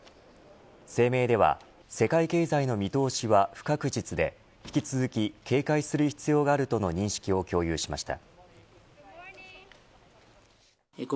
声明では、世界経済の見通しは不確実で引き続き警戒する必要があるとの認識を共有しました。